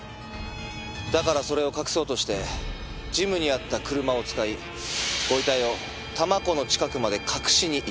だからそれを隠そうとしてジムにあった車を使いご遺体を多摩湖の近くまで隠しに行った。